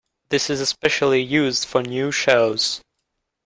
This is especially used for new shows.